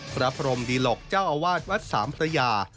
พระพรมดีหลกเจ้าอาวาสวัดสามพระยา